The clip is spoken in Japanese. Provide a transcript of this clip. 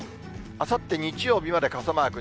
あさって日曜日まで傘マーク。